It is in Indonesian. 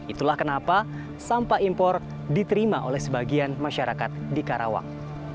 itulah kenapa sampah impor diterima oleh sebagian masyarakat di karawang